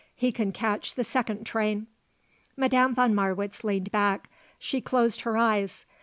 He can catch the second train." Madame von Marwitz leaned back. She closed her eyes.